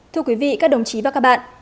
thưa quý vị các đồng chí và các bạn